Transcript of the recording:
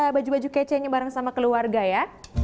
baju baju kece nya bareng sama keluarga ya